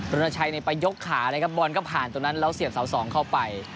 รณชัยไปยกขานะครับบอลก็ผ่านตรงนั้นแล้วเสียบเสาสองเข้าไป